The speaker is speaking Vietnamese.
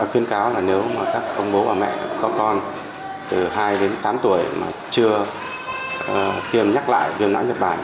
khiến cáo là nếu các bố và mẹ có con từ hai đến tám tuổi mà chưa tiêm nhắc lại viêm não nhật bản